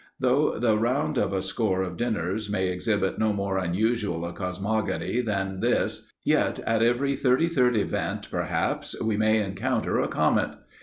Though the round of a score of dinners may exhibit no more unusual a cosmogony than this, yet at every thirty third event, perhaps, we may encounter a comet!